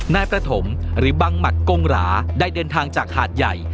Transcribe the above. นายประถมหรือบังหมัดกงหราได้เดินทางจากหาดใหญ่